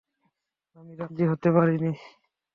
আমি রাজি হতে পারি নি।